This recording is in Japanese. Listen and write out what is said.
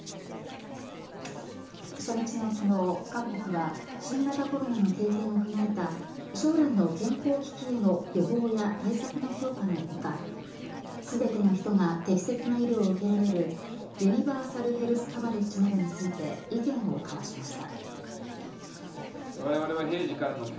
初日の昨日、各国は新型コロナの経験を踏まえた将来の健康危機への予防や対策の強化の他全ての人が適切な医療を受けられるユニバーサル・ヘルス・カバレッジなどについて意見を交わしました。